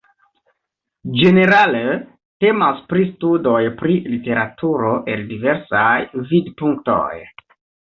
Ĝenerale temas pri studoj pri literaturo el diversaj vidpunktoj.